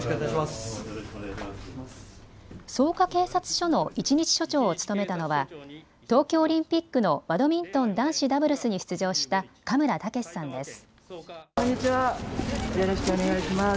草加警察署の一日署長を務めたのは東京オリンピックのバドミントン男子ダブルスに出場した嘉村健士さんです。